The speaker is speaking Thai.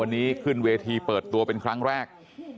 วันนี้ขึ้นเวทีเปิดตัวเป็นครั้งแรก